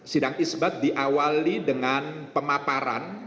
sidang isbat diawali dengan pemaparan